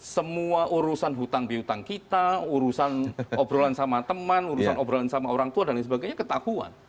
semua urusan hutang bihutang kita urusan obrolan sama teman urusan obrolan sama orang tua dan sebagainya ketakuan